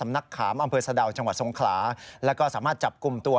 อีกความสนิมดาลในพื้นที่